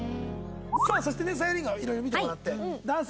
さあそしてねさゆりんごはいろいろ見てもらって男性